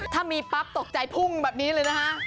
ถ้ามีปั๊บตกใจพุ่งแบบนี้เลยนะฮะ